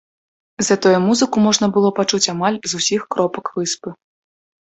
Затое музыку можна было пачуць амаль з усіх кропак выспы.